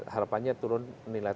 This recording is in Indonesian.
harapannya turun nilai tambahan